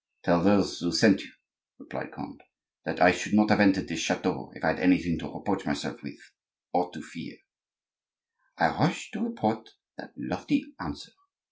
"Tell those who sent you," replied Conde, "that I should not have entered this chateau if I had anything to reproach myself with, or to fear." "I rush to report that lofty answer!"